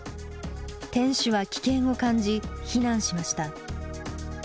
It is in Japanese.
店主は危険を感じ避難しました。